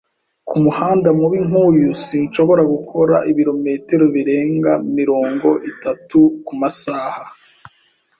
Kumuhanda mubi nkuyu, sinshobora gukora ibirometero birenga mirongo itatu kumasaha